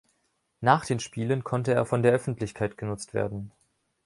Nach den Spielen konnte er von der Öffentlichkeit genutzt werden.